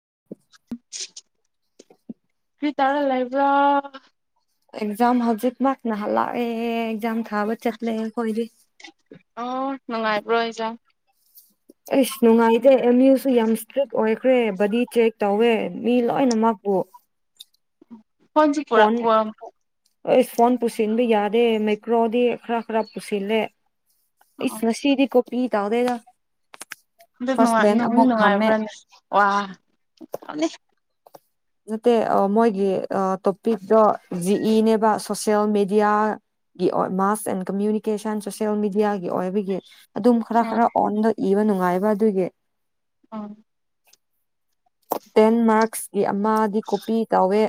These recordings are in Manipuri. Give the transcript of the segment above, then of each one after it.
[inaudible] ꯐ ꯇꯥꯔꯂ ꯏꯕ꯭ꯔꯥ ꯑꯦꯛꯖꯥ ꯍꯧꯖꯤꯛ ꯃꯥꯛ ꯅꯍꯜꯂ ꯑꯦ ꯑꯦꯛꯖ ꯊꯕ ꯆꯠꯂ ꯀꯣꯏꯗꯤ ꯑꯣ ꯅꯨꯡꯉꯥꯏꯕ꯭ꯔꯣꯖꯥ ꯏꯁ ꯅꯨꯡꯥꯏꯗꯦ ꯅ꯭ꯌꯁꯨ ꯌꯥꯝ ꯑꯣꯏꯈ꯭ꯔꯦ ꯕꯗꯤ ꯆꯦꯛ ꯇꯧꯋꯦ ꯃꯤ ꯂꯣꯏꯅꯃ ꯄ ꯀꯣꯆꯤꯄꯨꯔ ꯄꯔ ꯑꯩ ꯏꯁ ꯐꯣꯟ ꯄꯨꯁꯤꯟꯕ ꯌꯥꯗꯦ ꯃꯥꯏꯀ꯭ꯔꯣꯗꯤ ꯈꯔ ꯈꯔ ꯄꯨꯁꯤꯜꯂꯦ ꯏꯁ ꯃꯁꯤꯗꯤ ꯀꯣ ꯄꯤ ꯇ ꯑꯣꯦꯒ ꯑꯗꯨꯅꯨꯡꯉꯥꯏ ꯅꯨꯡꯗꯤ ꯅꯨꯡꯉꯥꯏꯕ꯭ꯔꯥꯅꯦ ꯋꯥ [unintelligible] ꯅꯠꯇꯦ ꯃꯣꯏꯒꯤ ꯇꯣꯄꯤꯛꯇꯣ ꯖꯤ ꯏꯅꯦꯕ ꯁꯣꯁꯦꯜ ꯃꯦꯗꯤꯌꯥꯒꯤ ꯃꯥꯁ ꯑꯦꯟ ꯀꯃ꯭ꯌꯨꯅꯤꯀꯦꯁꯟ ꯁꯣꯁꯦꯜ ꯃꯦꯗꯤꯌꯥꯒꯤ ꯑꯣꯏꯕꯒꯤ ꯑꯗꯨꯝ ꯈꯔ ꯎꯝ ꯈꯔ ꯑꯣꯟꯗ ꯏꯕ ꯅꯨꯡꯉꯥꯏ ꯃꯗꯨꯒꯤ ꯑꯥ ꯇꯦꯟ ꯃꯥꯔꯛꯁ ꯀꯤ ꯑꯃꯗꯤ ꯀꯣꯄꯤ ꯇꯧꯋꯦ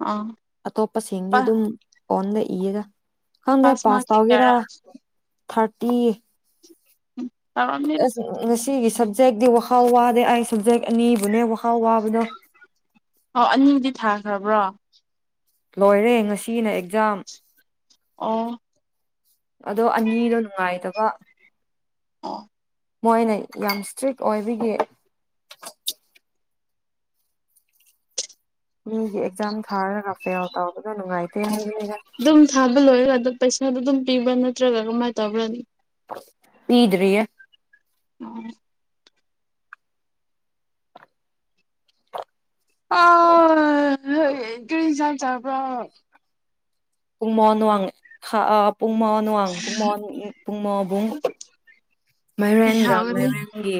ꯑꯥ ꯑꯇꯣꯞꯄꯁꯤꯡꯗꯤ ꯄꯥ ꯑꯗꯨꯝ ꯑꯣꯟꯗ ꯏꯌꯦꯒ ꯀꯪꯗꯦ ꯄꯥꯁ ꯃꯥꯔꯛꯇꯤ ꯇꯧꯒꯦꯔꯥ ꯀꯌꯥꯔꯥ ꯊꯥꯔꯇꯤ ꯎꯝ ꯑꯁ ꯏꯁ ꯁꯤꯒꯤ ꯁꯕꯖꯦꯛꯇꯤ ꯋꯔ ꯋꯥꯗꯦ ꯑꯩ ꯁꯕꯖꯦꯛ ꯑꯅꯤꯕꯨꯅꯦ ꯋꯥ ꯑꯣ ꯑꯅꯤꯗꯤ ꯊꯥꯈ꯭ꯔꯕ꯭ꯔꯣ ꯂꯣꯏꯔꯦ ꯉꯁꯤꯅ ꯑꯦꯛꯖꯥꯝ ꯑꯣ ꯑꯗꯣ ꯑꯅꯤꯗꯣ ꯅꯨꯡꯉꯥꯏꯇꯕ ꯑꯣ ꯃꯣꯏꯅ ꯌꯥꯝ ꯏꯁꯇ꯭ꯔꯤꯛ ꯑꯣꯏꯕꯤꯒꯤ ꯃꯤꯒꯤ ꯑꯦꯛꯖꯥꯝ ꯊꯥꯔꯒ ꯐꯦꯜ ꯇꯧ ꯑꯗꯨ ꯅꯨꯡꯉꯥꯏꯇꯦꯍꯩ ꯑꯗꯨꯝ ꯊꯥꯕ ꯂꯣꯏꯔꯒ ꯑꯗꯨꯝ ꯄꯩꯁꯥꯗꯨ ꯑꯗꯨꯝ ꯄꯤꯕ꯭ꯔꯥ ꯅꯠꯇ꯭ꯔꯒ ꯀꯃꯥꯏꯅ ꯇꯧꯕ꯭ꯔꯅꯦ ꯄꯤꯗꯔꯤꯌꯦ ꯎꯝ ꯑꯥꯏ ꯀꯔꯤ [unintelligible] ꯆꯥꯕꯔ [unintelligible] ꯄꯨꯡ ꯃꯥꯉꯥ ꯅꯨꯡꯋꯥꯡ ꯄꯨꯡ ꯃꯥꯉ ꯄꯨꯡ ꯃꯥꯉꯥꯕꯨꯡ ꯑꯩ ꯃꯥꯏꯔꯦꯟꯒ ꯍꯥꯎꯒꯅꯤ ꯃꯥꯏꯔꯦꯟꯒꯤ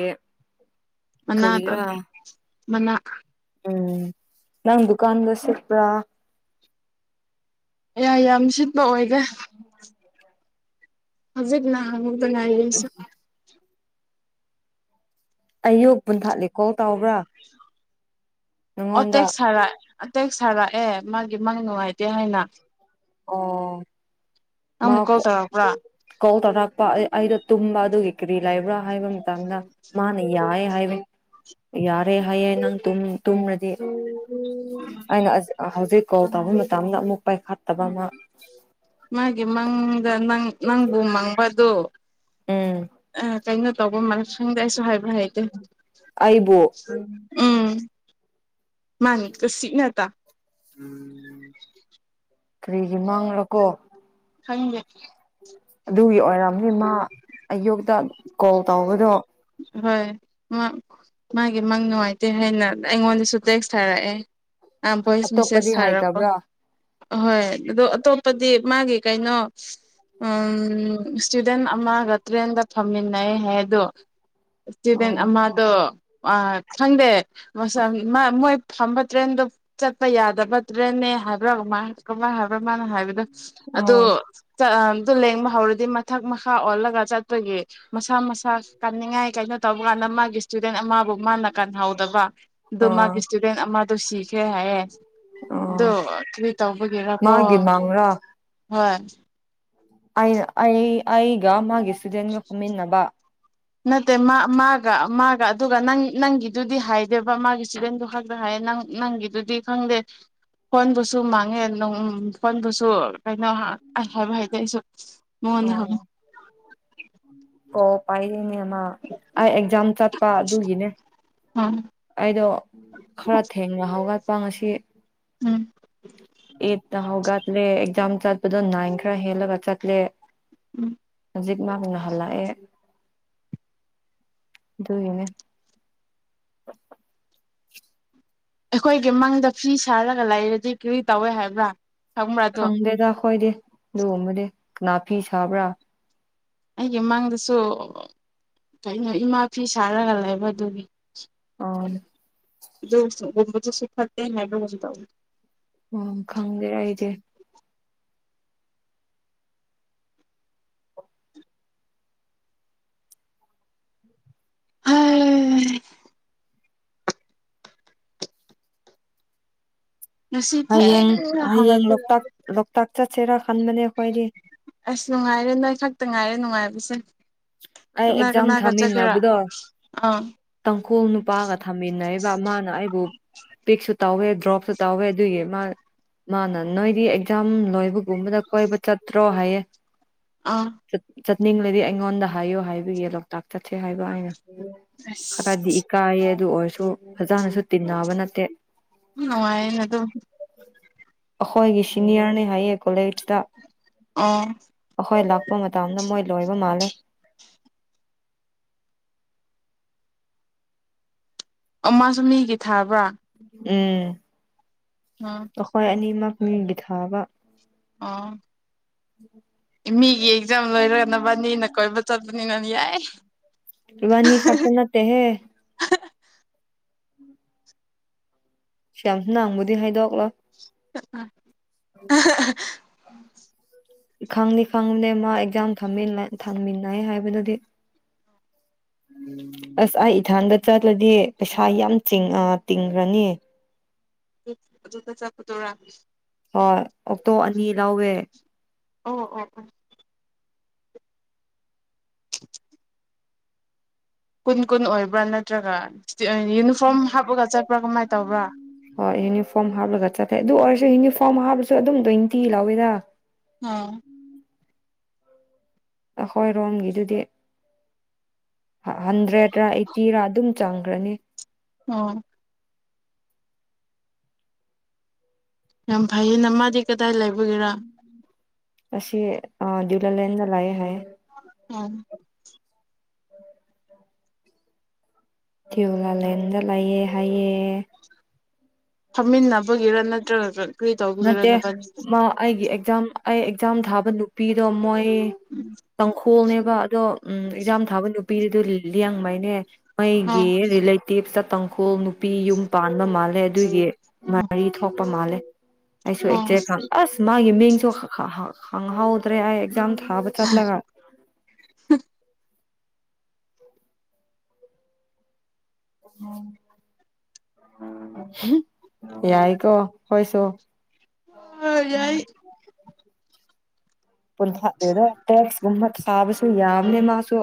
ꯃꯅꯥꯗꯣ ꯀꯔꯤꯔꯥ ꯃꯅꯥ ꯎꯝ ꯅꯪ ꯗꯨꯀꯥꯟꯒ ꯁꯤꯠꯄ꯭ꯔꯥ ꯌꯥꯏ ꯌꯥꯝꯁꯤ ꯄ ꯑꯣꯏꯗ ꯍꯧꯖꯤꯛꯅ ꯍꯨꯗ ꯉꯅꯥꯏ ꯌꯦꯁꯨ ꯑꯌꯨꯛ ꯄꯨꯟ ꯊꯥꯠꯂꯦꯀꯣꯜ ꯇꯥꯎꯕ꯭ꯔꯥ ꯑꯣꯇꯦꯛ ꯁꯔꯥꯏ ꯑꯇꯩ ꯁꯥꯔ ꯂꯥꯛꯑꯦ ꯃꯥꯒꯤ ꯃꯥꯒꯤ ꯅꯨꯡꯉꯥꯏꯇꯦ ꯍꯥꯏꯅ ꯑꯣ ꯅꯪꯕꯨ ꯀꯣꯜ ꯇꯧꯔꯛꯄ꯭ꯔꯥ [unintelligible] ꯑꯩꯗꯣ ꯇꯨꯝꯕ ꯑꯗꯨꯒꯤ ꯀꯔꯤ ꯂꯩꯕ꯭ꯔꯥ ꯍꯥꯏꯕ ꯃꯇꯥꯡꯗ ꯃꯥꯅ ꯌꯥꯏ ꯍꯥꯏꯕ ꯌꯥꯔꯦ ꯍꯥꯏꯌꯦꯦ ꯅꯪ ꯇꯨꯝꯔꯗꯤ ꯑꯩꯅ ꯍꯧꯖꯤꯛ ꯀꯣꯜ ꯇꯧꯕ ꯃꯇꯝꯗ ꯑꯃꯨꯛ ꯄꯥꯏꯈ [unintelligible] ꯏꯃꯥꯡ ꯑꯗ ꯅꯪ ꯅꯪꯕꯨ ꯃꯪꯕꯗ ꯎꯝ ꯀꯩꯅꯣ ꯇꯧꯕ ꯃꯔꯛ ꯈꯪꯗꯦ ꯑꯩꯁꯨ ꯍꯥꯏꯕ ꯍꯥꯏꯗꯦ ꯑꯩꯕꯨ ꯎꯝ ꯃꯥꯅꯤ ꯀꯁꯤꯅꯦꯇꯥ ꯀꯔꯤꯒꯤ ꯃꯪꯂ ꯀꯣ ꯈꯪꯗꯦ ꯑꯗꯨꯒꯤ ꯑꯣꯏꯔꯝꯅꯤ ꯃꯥ ꯑꯌꯨꯛꯇ ꯀꯣꯜ ꯇꯧꯕꯗꯣ ꯍꯣꯏ ꯃꯥ ꯃꯥꯒꯤ ꯃꯪ ꯅꯨꯡꯉꯥꯏꯇꯦ ꯍꯥꯏꯅ ꯑꯩꯉꯣꯟꯗꯁꯨ ꯇꯦꯛꯁ ꯊꯥꯔꯛꯑꯦ ꯑ ꯚꯣꯏꯁ ꯃꯤꯁꯦꯁ ꯑꯇꯣꯞꯄꯗꯤ ꯊꯔꯛꯄ ꯍꯥꯏꯇꯕ꯭ꯔꯥ ꯑꯍꯣꯏ ꯑꯣ ꯑꯇꯣꯞꯄꯗꯤ ꯃꯥꯒꯤ ꯀꯩꯅꯣ ꯏꯁꯇꯨꯗꯦꯟ ꯑꯃꯒ ꯇ꯭ꯔꯦꯟꯒ ꯐꯝꯃꯤꯟꯅꯩ ꯍꯥꯏꯗꯣ ꯏꯁꯇꯨꯗꯦꯟ ꯑꯣ ꯑꯃꯗꯣ ꯑ ꯈꯪꯗꯦ ꯃꯣꯏ ꯐꯝꯕ ꯇ꯭ꯔꯦꯟꯗꯣ ꯆꯠꯄ ꯌꯥꯗꯕ ꯇꯔꯥꯟ ꯍꯥꯏꯕ꯭ꯔꯥ ꯍꯥꯏꯕ꯭ꯔ ꯃꯥꯅ ꯍꯥꯏꯕꯗ ꯑꯗꯣ ꯑꯣ ꯑꯗꯨ ꯂꯦꯡꯕ ꯍꯧꯔꯗꯤ ꯃꯊꯛ ꯃꯈꯥ ꯑꯣꯜꯂꯒ ꯆꯠꯄꯒꯤ ꯃꯁꯥ ꯃꯁꯥ ꯀꯟꯅꯤꯡꯉꯥꯏ ꯀꯩꯅꯣ ꯇꯧꯕ ꯀꯥꯟꯗ ꯃꯥꯒꯤ ꯏꯁꯇꯨꯗꯦꯟ ꯑꯃ ꯃꯥꯅ ꯀꯟꯍꯧꯗꯕ ꯑꯗꯨ ꯑꯣ ꯃꯥꯒꯤ ꯏꯁꯇꯨꯗꯦꯟ ꯑꯃꯗ ꯁꯤ ꯁꯦ ꯍꯥꯏꯌꯦ ꯑꯣ ꯑꯗꯣ ꯀꯔꯤ ꯇꯧꯕꯒꯤꯔꯥ ꯀꯣ ꯃꯥꯒꯤ ꯃꯥꯡꯔꯥ ꯍꯣꯏ ꯑꯩ ꯑꯩꯒ ꯃꯥꯒꯤ ꯏꯁꯇꯨꯗꯦꯟꯒ ꯐꯝꯃꯤꯟꯅꯕ ꯅꯠꯇꯦ ꯃꯥꯒ ꯃꯥꯒ ꯑꯗꯨꯒ ꯅ ꯅꯪꯒꯤꯗꯨꯗꯤ ꯍꯥꯏꯗꯦꯕ ꯃꯥꯒꯤ ꯆꯤꯗꯦꯟꯗꯨ ꯈꯥꯛꯛꯇ ꯍꯥꯏꯌꯦ ꯅꯪ ꯅꯪꯒꯤꯗꯨꯗꯤ ꯈꯪꯗꯦ ꯐꯣꯟꯕꯨꯁꯨ ꯃꯥꯡꯉꯦ ꯐꯣꯟꯕꯨꯁꯨ ꯀꯩꯅꯣ ꯍꯥꯏꯕ ꯍꯥꯏꯇꯦ ꯑꯩꯁꯨ ꯃꯉꯣꯟꯗ ꯑꯣ ꯍꯪꯉꯨ ꯑꯣ ꯄꯥꯏꯗꯅ ꯑꯩ ꯑꯦꯛꯖꯥꯝ ꯆꯠꯄ ꯑꯗꯨꯒꯤꯅꯦ ꯎꯝ ꯑꯩꯗꯣ ꯈꯔ ꯊꯦꯡꯅꯍꯒꯦ ꯄꯥꯡ ꯑꯁꯤ ꯎꯝ ꯑꯦꯠꯇ ꯍꯧꯒꯗ꯭ꯔꯦ ꯑꯦꯛꯖꯥꯝ ꯆꯠꯄꯗꯣ ꯅꯥꯏꯟ ꯈꯔ ꯍꯦꯜꯂꯒ ꯆꯠꯂꯦ ꯎꯝ ꯖꯤꯛ ꯃꯥꯡꯅ ꯍꯥꯜꯂ ꯑꯦ ꯑꯗꯨꯏꯅꯦ ꯑꯩꯈꯣꯏꯒꯤ ꯃꯪꯗ ꯐꯤ ꯁꯥꯔꯒ ꯂꯩꯔꯗꯤ ꯀꯔꯤ ꯇꯧꯏꯦ ꯍꯥꯏꯕ꯭ꯔꯥ ꯈꯪꯕ꯭ꯔꯥ ꯑꯗꯣ ꯈꯪꯗꯦꯗ ꯑꯩꯈꯣꯏꯗꯤ ꯂꯣꯡꯕꯗꯤ ꯅꯥꯄꯤꯤ ꯁꯥꯕꯔꯥ ꯑꯩꯒꯤ ꯃꯥꯡꯗꯁꯨ ꯀꯩꯅꯣ ꯏꯃꯥ ꯐꯤ ꯁꯥꯔꯒ ꯂꯩꯕ ꯑꯗꯨꯒꯤ ꯑ ꯁ ꯊꯗꯦ ꯃꯥꯏꯕꯁꯨ ꯇ ꯑꯣ ꯈꯪꯗꯦꯔꯗꯦ ꯑ ꯉꯁꯤ ꯍꯌꯦꯡ ꯊꯦꯡꯅ ꯍꯌꯦꯡ ꯍꯧꯒꯠꯄꯒꯤ ꯂꯣꯛꯇꯥꯛ ꯂꯣꯛꯇꯥꯛ ꯆ ꯆꯔ ꯑꯁ ꯅꯨꯡꯉꯥꯏꯔꯦ ꯅꯣꯏ ꯈꯛꯇ ꯉꯥꯏꯔꯦ ꯅꯨꯡꯉꯥꯏꯕ ꯑꯁ ꯑꯩ ꯑꯦꯛꯖꯥꯝ ꯊꯝꯃꯤꯟꯅꯕꯗꯣ ꯑꯥ ꯇꯥꯡꯈꯣꯜ ꯅꯨꯄꯥꯒ ꯊꯝꯃꯤꯟꯅꯩꯕ ꯃꯥꯅ ꯑꯩꯕꯨ ꯄꯤꯛꯁꯨ ꯇꯧꯋꯦ ꯗ꯭ꯔꯣꯞꯁꯨ ꯇꯧꯋꯦ ꯑꯗꯨꯒꯤ ꯃꯥ ꯃꯥꯅ ꯅꯣꯏꯗꯤ ꯑꯦꯛꯖꯥꯝ ꯂꯣꯏꯕꯒꯨꯝꯕꯗ ꯀꯣꯏꯕ ꯆꯠꯇ꯭ꯔꯣ ꯍꯥꯏꯌꯦ ꯑꯥ ꯆꯠꯅꯤꯡꯂꯗꯤ ꯑꯩꯉꯣꯟꯗ ꯍꯥꯏꯌꯣ ꯍꯥꯏꯕꯒꯤ ꯂꯣꯛꯇꯥꯛ ꯆꯠꯊꯦ ꯍꯥꯏꯕ ꯑꯩꯅ ꯍꯔꯗꯤ ꯑꯁ ꯏꯀꯥ ꯑꯗꯨ ꯑꯣꯏꯔꯁꯨ ꯐꯖꯥꯅꯁꯨ ꯇꯤꯟꯅꯕ ꯅꯠꯇꯦ ꯎꯅ ꯑꯗꯨ ꯑꯈꯣꯏꯒꯤꯁꯤꯅꯤꯌꯔꯅꯦ ꯍꯥꯏꯌꯦꯦ ꯀꯂꯗ ꯑꯣ ꯑꯩꯈꯣꯏ ꯂꯥꯛꯄ ꯃꯇꯝꯗ ꯃꯣꯏ ꯂꯣꯏꯕ ꯃꯥꯜꯂꯦ ꯑꯣꯃ ꯁꯃꯤ ꯍ ꯀꯈꯤ ꯊꯥꯕ ꯋꯥ ꯎꯝ ꯑꯩꯈꯣꯏ ꯑꯅꯤꯃꯛ ꯃꯤꯒꯤ ꯊꯥꯕ ꯑꯣ ꯃꯤꯒꯤ ꯑꯗꯨꯅꯤꯅ ꯌꯥꯏ ꯋꯥꯅꯤ ꯈꯥꯔꯇꯅꯥꯠꯇ ꯍꯦ ꯁ꯭ꯝꯁꯤ ꯅꯪꯕꯨꯗꯤ ꯍꯥꯏꯗꯛꯂꯣ ꯑ ꯎ ꯎ ꯈꯪꯅꯤꯦ ꯈꯪꯗ ꯃꯥ ꯑꯦꯛꯖꯥꯝ ꯊꯥꯟꯃꯤꯟꯅꯩ ꯍꯥꯏꯕꯗꯨꯗꯤ ꯑꯁ ꯑꯩ ꯏꯊꯟꯗ ꯆꯠꯂꯗꯤ ꯄꯩꯁꯥ ꯌꯥꯝ ꯇꯤꯡꯈ꯭ꯔꯅꯤ ꯑꯗꯨ ꯀ ꯆ ꯄꯨꯇꯣꯔꯥ ꯍ ꯑꯣꯛꯇꯣ ꯑꯅꯤ ꯂꯧꯥꯎꯋꯦ ꯑꯣ ꯑꯣ ꯑꯣ ꯀꯨꯟ ꯀꯨꯟ ꯑꯣꯏꯕ꯭ꯔꯥ ꯅꯠꯇ꯭ꯔꯒ ꯌꯨꯅꯤꯐꯣꯔꯝ ꯍꯥꯞꯄꯒ ꯆꯠꯄ꯭ꯔꯥ ꯀꯃꯥꯏꯅ ꯇꯧꯕ꯭ꯔꯥ ꯍꯣꯏ ꯌꯨꯅꯤꯐꯣꯔꯝ ꯍꯥꯞ ꯂꯧꯒ ꯆ ꯑꯗꯨ ꯐꯣꯔꯝ ꯍꯥꯞꯕꯁꯨ ꯑꯗꯨꯝꯗꯏꯟꯇꯤ ꯂꯧꯥꯎꯋꯏꯗ ꯑꯝ ꯑꯩꯈꯣꯏ ꯔꯣꯝꯒꯤꯗꯨꯗꯤ ꯍꯟꯗ꯭ꯔꯦꯗꯔꯥ ꯑꯩꯠꯇꯤꯔꯥ ꯑꯗꯨꯝ ꯆꯥꯡꯈ꯭ꯔꯅꯤ ꯑ ꯌꯥꯝ ꯐꯥꯏ ꯅꯃꯗꯤ ꯀ ꯀꯗꯥꯥꯏ ꯂꯩꯕꯒꯦꯔꯥ ꯑꯁꯤ ꯑ ꯂ ꯂꯥꯏ ꯂꯑ ꯍꯥꯏ ꯑꯝ ꯇꯤꯨ ꯂꯥꯂꯟꯗ ꯂꯌꯦꯦ ꯍꯥꯏꯌꯦ ꯐꯝꯃꯤꯟꯅꯕꯒꯤꯔ ꯅꯠꯇ꯭ꯔꯒꯁꯨ ꯃꯦ ꯃꯥ ꯑꯩꯒꯤ ꯑꯦꯛꯖꯥꯝ ꯑꯩ ꯑꯦꯛꯁꯥꯝ ꯊ ꯅꯨꯄꯤꯗꯣ ꯃꯣꯏ ꯇ ꯁ꯭ꯀꯣꯜꯅꯦꯕ ꯑꯗꯣ ꯎꯝ ꯑꯦꯛꯖꯥꯝ ꯊꯥꯕ ꯅꯨꯄꯤꯗꯨꯗ ꯂꯡꯕꯅꯦ ꯑꯣ ꯃꯣꯏꯒꯤ ꯔꯤꯂꯦꯇꯤꯞꯇ ꯈꯣꯡ ꯅꯨꯄꯤ ꯌꯨꯝ ꯄꯥꯟꯕ ꯃꯥꯜꯂꯦ ꯑꯗꯨꯏꯒꯤ ꯃꯔꯤ ꯊꯣꯛꯄ ꯃꯥꯜꯂꯦ ꯑꯩꯁꯨ ꯑꯣ ꯑꯦꯛꯖ ꯈꯥꯟ ꯑꯁ ꯃꯥꯒꯤ ꯃꯤꯡ ꯍꯪ ꯍꯥꯎꯗ꯭ꯔꯦ ꯑꯦꯛꯖꯥꯝ ꯊꯥꯕ ꯆꯠꯂꯒ ꯑꯦꯏ ꯀꯣ ꯀꯣꯏꯁꯨꯣ ꯑꯣ ꯌꯥꯏ ꯄꯨꯜꯊꯇ ꯃꯨꯝꯃꯠ ꯁꯥꯕꯁꯨ ꯌꯥꯝꯕꯅꯦ ꯃꯥꯁꯨ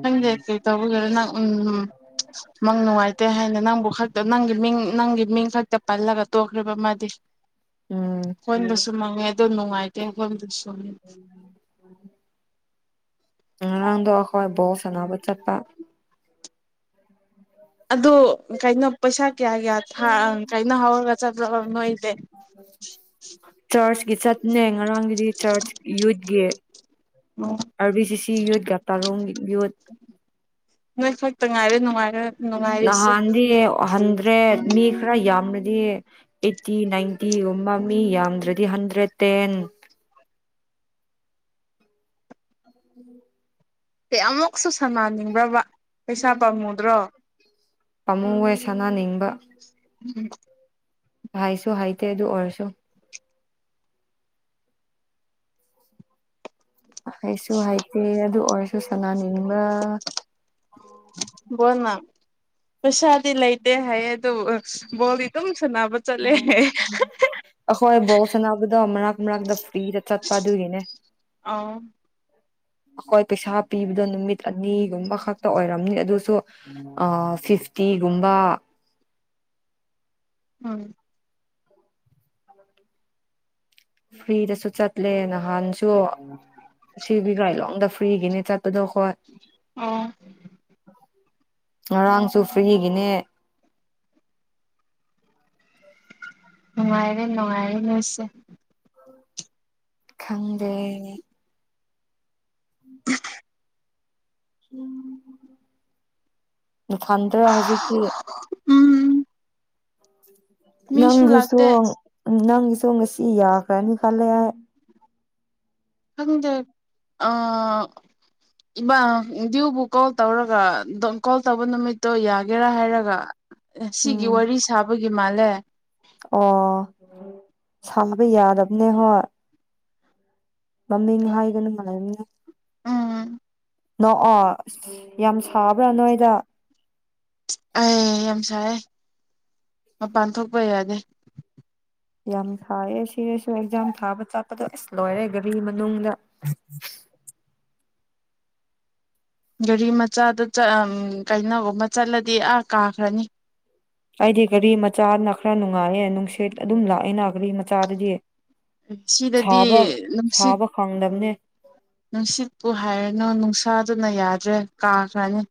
ꯈꯪꯗꯦ ꯀꯩ ꯇꯧꯕꯤꯒꯗꯣ ꯅꯪ ꯎ ꯅꯪ ꯅꯨꯡꯉꯥꯏꯇꯦ ꯍꯥꯏꯅ ꯅꯪꯕꯨ ꯈꯛꯇ ꯅꯪꯒꯤ ꯃꯤꯡ ꯅꯪꯒꯤ ꯃꯤꯡ ꯈꯛꯇ ꯄꯜꯂꯒ ꯇꯣꯛꯈ꯭ꯔꯕ ꯑꯃꯗꯤ ꯎꯝ ꯍꯣꯏꯣꯟꯕꯁꯨ ꯃꯪꯉꯦ ꯑꯗꯨ ꯅꯨꯡꯉꯥꯏꯇꯦ ꯍꯣꯏꯣꯟꯗꯁꯨ ꯁꯉ ꯑꯥꯡꯗ ꯍꯋꯥꯏ ꯣ ꯁꯅꯥꯕ ꯆꯠꯄ ꯑꯗꯣ ꯀꯥꯏꯩꯅꯣ ꯄꯩꯁꯥ ꯀꯌꯥ ꯀꯌꯥ ꯀꯥꯏꯩꯅꯣ ꯍꯧꯔꯒ ꯣꯏ ꯆꯔꯆꯀꯤ ꯆꯠꯅꯦ ꯉꯔꯥꯡꯒꯤꯗꯤ ꯆꯔꯆ ꯌꯨꯠꯀꯤ ꯑꯥꯔꯕꯤ ꯁꯤ ꯁꯤ ꯌꯨꯠ ꯒꯇꯥꯔꯨꯡ ꯌꯨꯠ ꯉꯥꯏꯔꯅꯨꯡꯉ ꯅꯍꯗꯤ ꯑꯗ꯭ꯔꯦ ꯃꯤ ꯈꯔ ꯌꯥꯝꯅꯗꯤ ꯑꯩꯠꯇꯤ ꯅꯥꯏꯟꯇꯤꯒꯨꯝꯕ ꯃꯤ ꯌꯥꯝꯗ꯭ꯔꯗꯤ ꯍꯟꯗ꯭ꯔꯦꯠ ꯇꯦꯟ ꯎꯝ ꯀꯩ ꯑꯃꯨꯛꯁꯨ ꯁꯥꯟꯅꯅꯤꯡꯕ꯭ꯔꯕ ꯄꯩꯁꯥ ꯄꯥꯝꯃꯨꯗ꯭ꯔꯣ ꯄꯥꯝꯃꯨ ꯍꯣꯏ ꯁꯅꯅꯤꯡꯕ ꯎꯝ ꯍꯥꯏꯁꯨ ꯍꯥꯏꯇꯦ ꯑꯗꯨ ꯑꯣꯏꯔꯁꯨ ꯍꯥꯏꯁꯨ ꯍꯥꯏꯩꯇꯦ ꯑꯗꯨ ꯑꯣꯏꯔꯁꯨ ꯁꯅꯥꯅꯤꯡꯕ ꯄꯁꯥꯗꯂꯥꯏꯇ ꯍꯥꯏ ꯑꯗꯨ ꯕꯣꯜꯗꯤ ꯑꯗꯨꯝ ꯁꯅꯕ ꯆꯠꯂꯦ ꯍꯣꯏ ꯕꯣꯁ ꯁꯥꯟꯅꯕꯗꯣ ꯃꯔꯛ ꯃꯔꯛꯇ ꯐ꯭ꯔꯤꯗ ꯆꯠꯄ ꯑꯗꯨꯒꯤꯅꯦ ꯑ ꯑꯩꯈꯣꯏ ꯄꯩꯁꯥ ꯄꯤꯕꯗꯣ ꯅꯨꯃꯤꯠ ꯑꯅꯤꯒꯨꯝꯕ ꯈꯛꯇ ꯑꯣꯏꯔꯝꯅꯤ ꯑꯗꯨꯁꯨ ꯐꯤꯐꯇꯤꯒꯨꯝꯕ ꯎꯝ ꯐ꯭ꯔꯤꯗꯁꯨ ꯆꯠꯂꯦ ꯅꯍꯥꯟꯁꯨ ꯁꯤꯕꯤ ꯀꯥꯏꯂꯣꯡꯗ ꯐ꯭ꯔꯤꯒꯤꯅꯦ ꯆꯠꯄꯗꯣ ꯍꯣꯏ ꯑꯣ ꯉꯔꯥꯡꯁꯨ ꯐ꯭ꯔꯤꯒꯤꯅꯦ ꯅꯨꯡꯉꯥꯏꯔꯦ ꯅꯨꯡꯉꯥꯏꯔꯦ ꯂꯣꯏꯁꯦ ꯈꯪꯗꯦ [inaudible] ꯎꯝ ꯊꯥꯟꯗ ꯍꯧꯖꯤꯛꯀꯤ ꯎꯝ ꯃꯤꯁꯨ ꯂꯥꯛꯇꯦ ꯅꯪꯁꯨꯣ ꯅꯪ ꯇꯨꯡ ꯉꯁꯤ ꯌꯥ ꯀ꯭ꯔꯅꯤ ꯀꯜꯂ ꯌꯥ ꯈꯪꯗꯦ ꯏꯕꯥ ꯗ꯭ꯌꯨꯕꯨ ꯀꯣꯜ ꯇꯧꯔꯒ ꯀꯣꯜ ꯇꯧꯕ ꯅꯨꯃꯤꯠꯇꯣ ꯌꯥꯒꯦꯔꯥ ꯍꯥꯏꯔꯒ ꯁꯤꯒꯤ ꯎꯝ ꯋꯥꯔꯤ ꯁꯥꯕ ꯒꯤ ꯃꯥꯂꯦ ꯑꯣ ꯁꯥꯕ ꯌꯥꯗꯕꯅꯦ ꯍꯣꯏ ꯃꯃꯤꯡ ꯍꯥꯏꯒꯅꯨ ꯃꯜꯂꯅꯤꯅ ꯎꯝ ꯅꯣꯛꯑꯣ ꯑꯁ ꯌꯥꯝ ꯁꯥꯕ꯭ꯔꯥ ꯅꯣꯏꯗ ꯑꯩ ꯌꯥꯝ ꯁꯥꯏ ꯃꯄꯥꯟ ꯊꯣꯛꯄ ꯌꯥꯗꯦ ꯌꯥꯝ ꯁꯥꯏꯌꯦ ꯁꯤꯔꯁꯨ ꯑꯦꯛꯖꯥꯝ ꯊꯥꯕ ꯆꯠꯄꯗꯣ ꯑꯁ ꯂꯣꯏꯔꯦ ꯒꯥꯔꯤ ꯃꯅꯨꯡꯗ ꯒꯥꯔꯤ ꯃꯆꯥꯗ ꯀꯩꯅꯣꯒꯨꯝꯕ ꯆꯠꯂꯗꯤ ꯑꯥ ꯀꯥꯈ꯭ꯔꯅꯤ ꯑꯩꯗꯤ ꯒꯥꯔꯤ ꯃꯆꯥꯅ ꯈꯔ ꯅꯨꯡꯉꯥꯏꯌꯦꯦ ꯅꯨꯡꯁꯤꯠ ꯑꯗꯨꯝ ꯂꯥꯛꯑꯦꯅ ꯒꯥꯔꯤ ꯃꯆꯥꯗꯗꯤ ꯁꯤꯗꯗꯤ ꯁꯥꯕ ꯅꯨꯡꯁꯤꯠ ꯁꯥꯕ ꯈꯪꯗꯝꯕꯅꯦ ꯅꯨꯡꯁꯤꯠꯄꯨ ꯍꯥꯏꯔꯅꯨ ꯅꯨꯡꯁꯥꯗꯨꯅ ꯌꯥꯗ꯭ꯔꯦ ꯀꯥꯈ꯭ꯔꯅꯤ